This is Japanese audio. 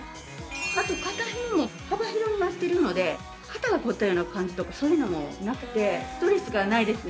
あと肩ひもも幅広になってるので肩が凝ったような感じとかそういうのもなくてストレスがないです。